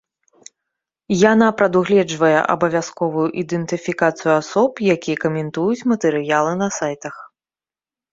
Яна прадугледжвае абавязковую ідэнтыфікацыю асоб, якія каментуюць матэрыялы на сайтах.